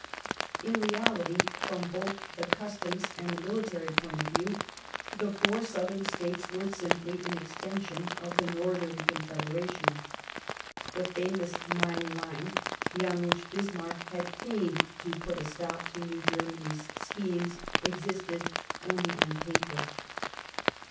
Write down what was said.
In reality, from both the customs and the mili tary point of view, the four Southern States were simply an extension of the Northern Confederation. The famous Main line, beyond which Bismarck had feigned to put a stop to new Germany's schemes, existed only on paper.